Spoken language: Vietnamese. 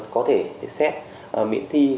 có thể xét miễn thi